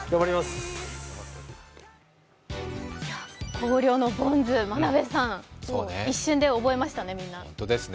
広陵のボンズ、真鍋さん、一瞬で覚えましたね、みんな。